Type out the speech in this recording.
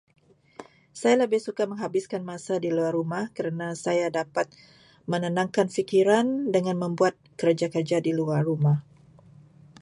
Saya lebih suka menghabiskan masa di luar rumah kerana saya dapat menenangkan fikiran dengan membuat kerja-kerja di luar rumah.